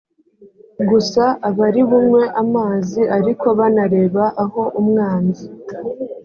gusa abari bunywe amazi ariko banareba aho umwanzi